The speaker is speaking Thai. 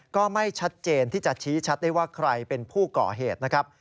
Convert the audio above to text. ก็ไม่ชัดเจนที่จะชี้ชัดได้ว่าใครเป็นผู้ก่อเหตุนะครับ